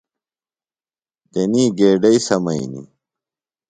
تنی گیڈئی سمئینیۡ۔